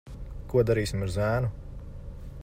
Ko darīsim ar zēnu?